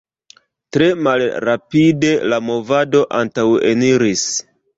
Tre malrapide la movado antaŭeniris.